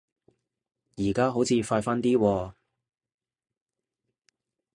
而家好似快返啲喎